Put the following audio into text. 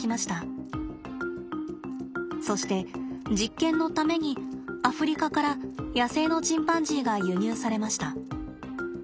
そして実験のためにアフリカから野生のチンパンジーが輸入されました。